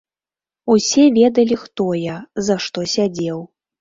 Усе ведалі хто я, за што сядзеў.